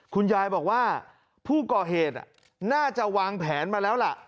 คุณยายบอกว่าผู้ก่อเหตุน่าจะวางแผนมาแล้วล่ะ